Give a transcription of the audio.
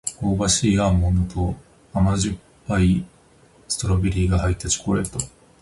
香ばしいアーモンドと甘酸っぱいストロベリーが入ったチョコレート